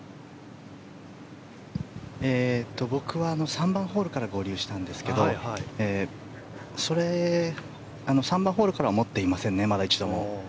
僕は、３番ホールから合流したんですけど３番ホールからはまだ一度も持っていませんね。